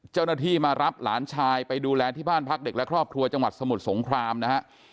เจ้าหน้าที่มารับหลานชายไปดูแลที่บ้านพักเด็กและครอบครัวจังหวัดสมุทรสงครามนะฮะ